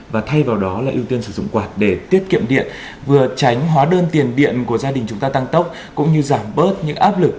và thay vào đó là ưu tiên sử dụng quạt để tiết kiệm điện vừa tránh hóa đơn tiền điện của gia đình chúng ta tăng tốc cũng như giảm bớt những áp lực